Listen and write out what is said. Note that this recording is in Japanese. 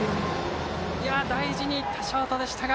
大事に行ったショートでしたが。